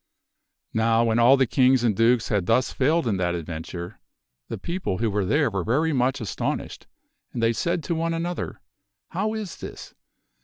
Now when all the kings and dukes had thus failed in that adventure, the people who were there were very much astonished, and they said to one another, " How is this